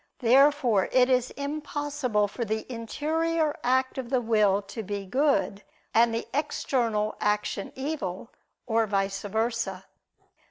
Therefore, it is impossible for the interior act of the will to be good, and the external action evil, or vice versa.